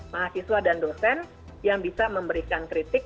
mahasiswa dan dosen yang bisa memberikan kritik